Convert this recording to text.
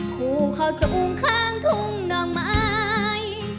คู่เข้าสรุขคังถุงดอกไม้